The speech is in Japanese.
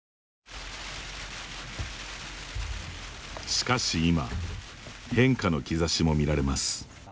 しかし今変化の兆しも見られます。